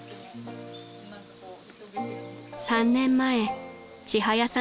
［３年前ちはやさ